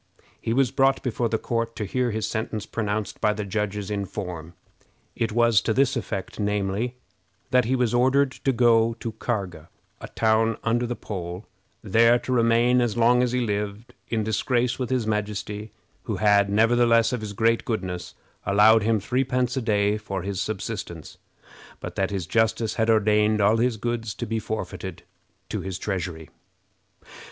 He was brought before the court to hear his sentence pronounced by the judges in form. It was to this effect, namely, "That he was ordered to go to Karga, a town under the pole, there to remain, as long as he lived, in disgrace with his majesty, who had, nevertheless, of his great goodness, allowed him threepence a day for his subsistence; but that his justice had ordained all his goods to be forfeited to his treasury."